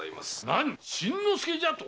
なに⁉新之助じゃと？